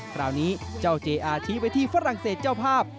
คราวนี้เจ้าเจอาชี้ไปที่ฝรั่งเศสเจ้าภาพ